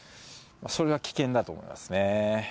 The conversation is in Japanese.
それは危険だと思いますね。